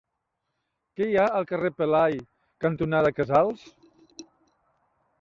Què hi ha al carrer Pelai cantonada Casals?